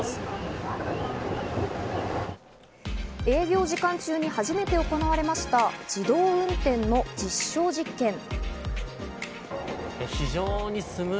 営業時間中に初めて行われました自動運転の実証実験。